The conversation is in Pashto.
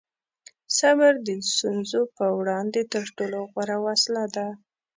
صبر د ستونزو په وړاندې تر ټولو غوره وسله ده.